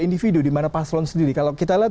individu di mana paslon sendiri kalau kita lihat